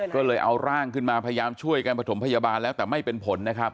ก็เลยเอาร่างขึ้นมาพยายามช่วยกันประถมพยาบาลแล้วแต่ไม่เป็นผลนะครับ